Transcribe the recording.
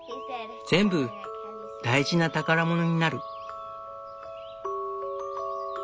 全部大事な宝物になる。